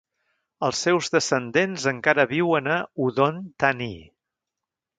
Els seus descendents encara viuen a Udon Thani.